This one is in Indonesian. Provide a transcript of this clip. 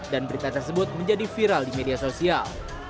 dan berita tersebut menjadi viral di media sosial